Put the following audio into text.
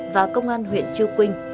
và công an huyện trư quynh